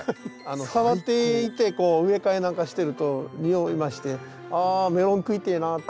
触っていてこう植え替えなんかしてると匂いまして「あメロン食いてえな」って。